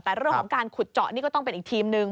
แต่เรื่องของการขุดเจาะนี่ก็ต้องเป็นอีกทีมหนึ่ง